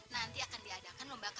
nanti akan diadakan lomba karaoke